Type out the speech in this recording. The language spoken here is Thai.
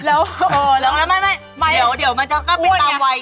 เอาละไม่เดี๋ยวมันจะค่ะมีตามไวเลยไง